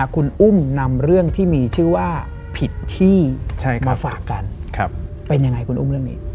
คุณอุ้มนำเรื่องที่มีชื่อว่าผิดที่มาฝากกันเป็นยังไงคุณอุ้มเรื่องนี้